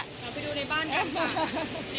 เดี๋ยวพี่ดูในบ้านข้างหลัง